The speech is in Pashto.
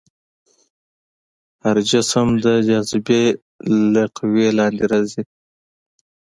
هر جسم د جاذبې له قوې لاندې راځي.